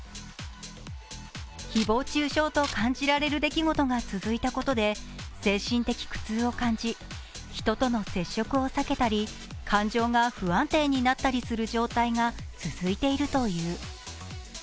誹謗中傷と感じられる出来事が続いたことで精神的苦痛を感じ、人との接触を避けたり、感情が不安定になったりする状態が続いているという。